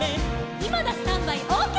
「いまだ！スタンバイ！ＯＫ！」